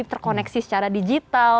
terkoneksi secara digital